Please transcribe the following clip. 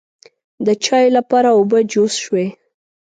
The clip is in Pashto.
د چایو لپاره اوبه جوش شوې.